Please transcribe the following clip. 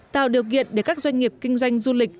tạo điều kiện để các doanh nghiệp kinh doanh du lịch